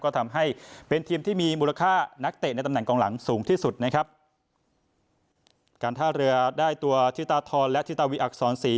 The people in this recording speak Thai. ก็ทำให้เป็นทีมที่มีมูลค่านักเตะในตำแหนกองหลังสูงที่สุดนะครับการท่าเรือได้ตัวธิตาทรและธิตาวีอักษรศรี